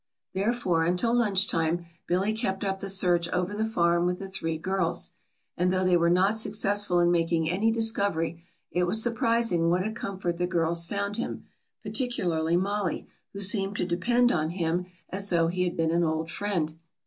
Therefore until lunch time Billy kept up the search over the farm with the three girls. And though they were not successful in making any discovery it was surprising what a comfort the girls found him, particularly Mollie, who seemed to depend on him as though he had been an old friend.